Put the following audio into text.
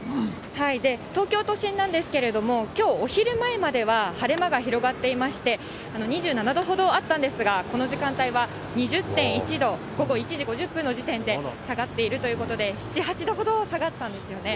東京都心なんですけども、きょうお昼前までは晴れ間が広がっていまして、２７度ほどあったんですが、この時間帯は２０．１度、午後１時５０分の時点で下がっているということで、７、８度ほど下がったんですよね。